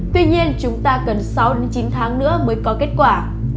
tuy nhiên chúng ta cần sáu đến chín tháng nữa mới có kết quả